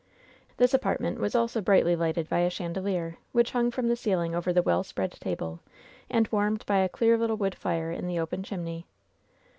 This apartment was also brightly lighted by a chan delier, which hung from the ceiling over the well spread table, and warmed by a clear little wood fire in the open chimney.